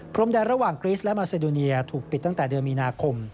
มแดนระหว่างกริสและมาเซโดเนียถูกปิดตั้งแต่เดือนมีนาคม